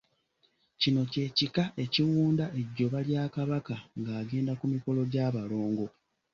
Kino kye kika ekiwunda ejjoba lya Kabaka ng'agenda ku mikolo gy'abalongo.